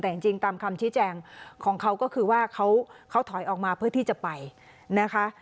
แต่จริงตามคำชี้แจงของเขาก็คือว่าเขาถอยออกมาเพื่อที่จะไปนะคะ